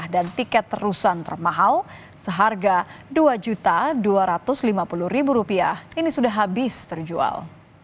dan tiket terusan termahal seharga rp dua dua ratus lima puluh ini sudah habis terjual